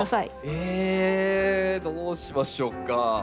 ええどうしましょうか。